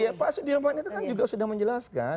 ya pak sudirman itu kan juga sudah menjelaskan